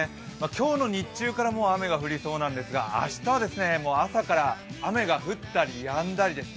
今日の日中からもう雨が降りそうなんですが、明日は朝から雨が降ったりやんだりです。